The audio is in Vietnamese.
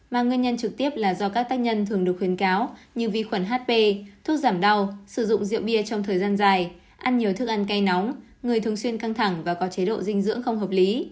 mà nguyên nhân trực tiếp là do các tác nhân thường được khuyến cáo như vi khuẩn hp thuốc giảm đau sử dụng rượu bia trong thời gian dài ăn nhiều thức ăn cay nóng người thường xuyên căng thẳng và có chế độ dinh dưỡng không hợp lý